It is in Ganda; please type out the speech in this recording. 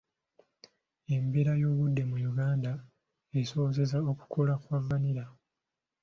Embeera y'obudde mu Uganda esobozesa okukula kwa vanilla.